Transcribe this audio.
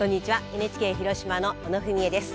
ＮＨＫ広島の小野文惠です。